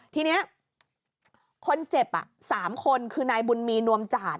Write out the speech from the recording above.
ทีนี้คนเจ็บ๓คนคือนายบุญมีนวมจาด